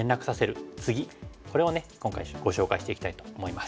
これをね今回ご紹介していきたいと思います。